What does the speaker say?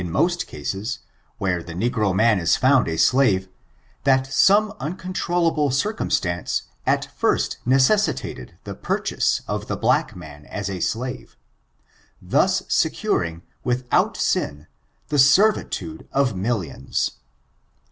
377 most cases, where the negit> man is found a slave, that some uncontrollable circumstance at first neces sitated the purchase of the Uack man as a slave — thus securing, without sin, the servitude of millions.